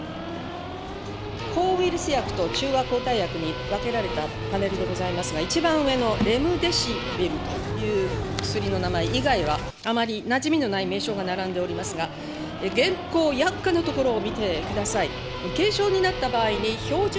抗ウイルス薬と中和抗体薬に分けられたパネルでございますが、一番上のレムデシビルという薬の名前以外はあまりなじみのない名称が並んでおりますが、現行薬価のところを見てください。